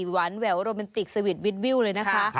หวานแหววโรแมนติกสวีทวิดวิวเลยนะคะ